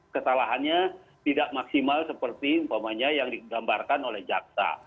kesalahannya tidak maksimal seperti umpamanya yang digambarkan oleh jaksa